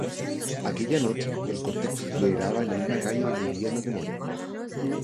Aquella noche el cortejo se celebraba en la misma calle donde vivía el matrimonio.